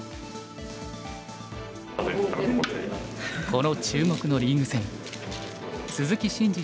この注目のリーグ戦鈴木伸二